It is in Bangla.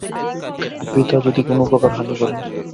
পিতা যদি কোন প্রকার হানি করেন।